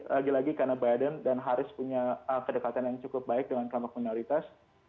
lagi lagi karena biden dan harris punya kedekatan yang cukup baik dengan kelompok minoritas